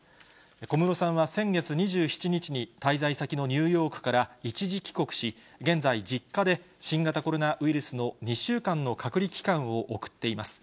小室さんは先月２７日に、滞在先のニューヨークから一時帰国し、現在、実家で新型コロナウイルスの２週間の隔離期間を送っています。